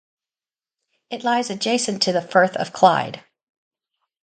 It lies adjacent to the Firth of Clyde.